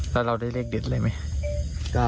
แล้วเราได้เลขเด็ดอะไรไหม